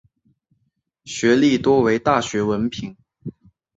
学历多为大学文凭。